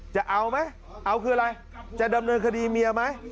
จะเอาไหมเอาคืออะไรจะดำเนินคดีเมียไหม